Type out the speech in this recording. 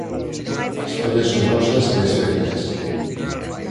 As follas son grosas e esféricas.